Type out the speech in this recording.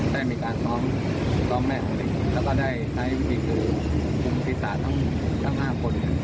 ได้มีการซ้อมแม่ของเด็กแล้วก็ได้ใช้วิธีกรุงศิษฐาทั้ง๕คน